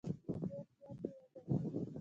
ډېر زیات یې وژړل.